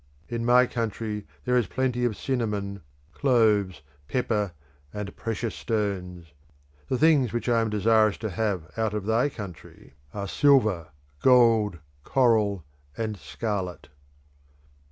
In my country there is plenty of cinnamon, cloves, pepper, and precious stones. The things which I am desirous to have out of thy country are silver, gold, coral, and scarlet."